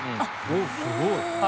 おっすごい。